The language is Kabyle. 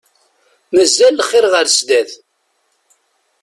Mazal lxir ɣer sdat.